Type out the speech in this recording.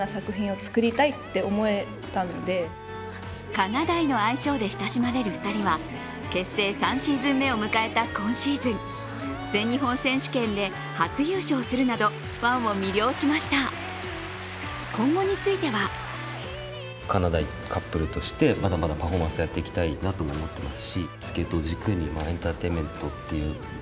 かなだいの愛称で親しまれる２人は結成３シーズン目を迎えた今シーズン、全日本選手権で初優勝するなどファンを魅了しました今後については４位です。